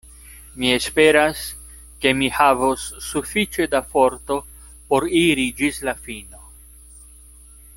Mi esperas, ke mi havos sufiĉe da forto por iri ĝis la fino.